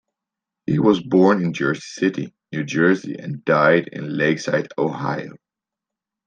He was born in Jersey City, New Jersey and died in Lakeside, Ohio.